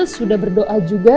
sudah berdoa juga